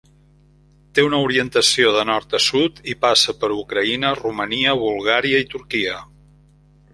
Té una orientació de nord a sud i passa per Ucraïna, Romania, Bulgària i Turquia.